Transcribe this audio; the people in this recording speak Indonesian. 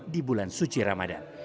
di bulan suci ramadan